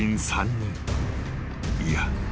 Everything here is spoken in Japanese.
［いや。